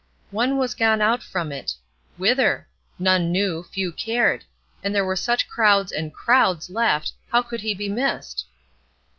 One was gone out from it. Whither? None knew, few cared; and there were such crowds and crowds left, how could he be missed?